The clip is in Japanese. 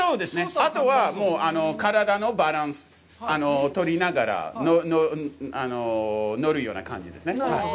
あとはもう体のバランスそれを取りながら乗るような感じですね。